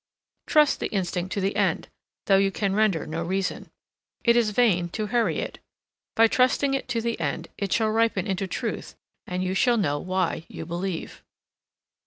Trust the instinct to the end, though you can render no reason. It is vain to hurry it. By trusting it to the end, it shall ripen into truth and you shall know why you believe.